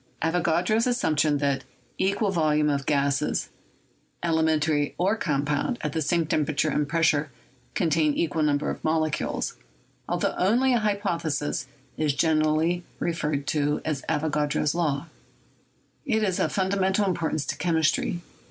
Avogadro's assumption that "equal volumes of gases, ATOMIC THEORY— WORK OF DAVY 199 elementary or compound, at the same temperature and pressure contain equal numbers of molecules," altho only a hypothesis, is generally referred to as "Avogadro's Law." It is of fundamental importance to chemistry.